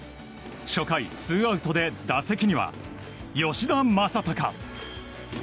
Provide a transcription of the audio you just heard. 初回、ツーアウトで打席には吉田正尚。